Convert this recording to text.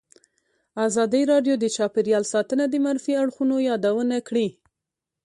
ازادي راډیو د چاپیریال ساتنه د منفي اړخونو یادونه کړې.